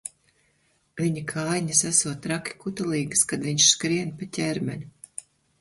Viņa kājiņas esot traki kutelīgas, kad viņš skrien pa ķermeni.